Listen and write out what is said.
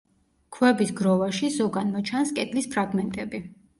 ქვების გროვაში, ზოგან მოჩანს კედლის ფრაგმენტები.